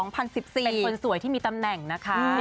เป็นคนสวยที่มีตำแหน่งนะคะ